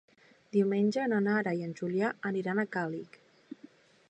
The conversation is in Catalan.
Diumenge na Nara i en Julià aniran a Càlig.